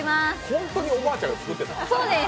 本当におばあちゃんが作ってたの？